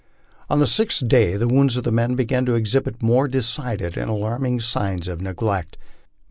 On the sixth day the wounds of the men began to exhibit more decided and alarm ing signs of neglect.